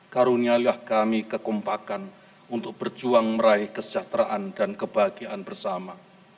karunialah kami kekompakan untuk berjuang meraih kesejahteraan dan kebahagiaan bersama